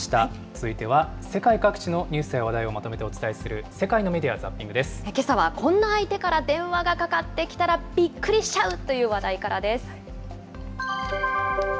続いては世界各地のニュースや話題をまとめてお伝えする世界のメけさはこんな相手から電話がかかってきたらびっくりしちゃうという話題からです。